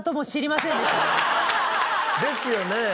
ですよね。